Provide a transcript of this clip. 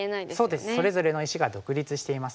そうですそれぞれの石が独立していますね。